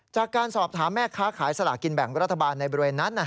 จากการสอบถามแม่ค้าขายสลากินแบ่งรัฐบาลในบริเวณนั้น